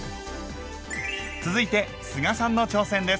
続いて須賀さんの挑戦です！